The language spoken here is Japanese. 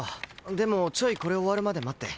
でもちょいこれ終わるまで待って。